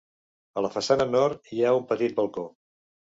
A la façana nord, hi ha un petit balcó.